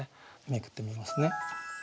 めくってみますね。